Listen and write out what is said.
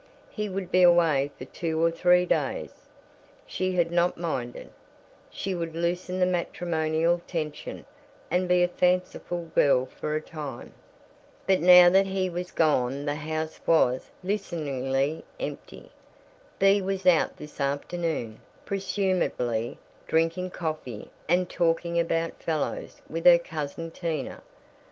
He would be away for two or three days. She had not minded; she would loosen the matrimonial tension and be a fanciful girl for a time. But now that he was gone the house was listeningly empty. Bea was out this afternoon presumably drinking coffee and talking about "fellows" with her cousin Tina.